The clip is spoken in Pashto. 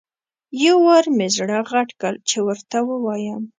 یو وارې مې زړه غټ کړ چې ورته ووایم.